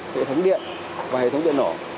hệ thống điện và hệ thống điện nổ